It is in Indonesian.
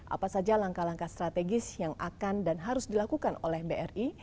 apa saja langkah langkah strategis yang akan dan harus dilakukan oleh bri